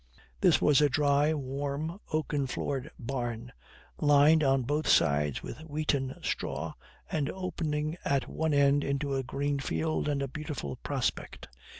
This was a dry, warm, oaken floored barn, lined on both sides with wheaten straw, and opening at one end into a green field and a beautiful prospect.